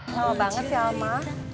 selamat banget ya alma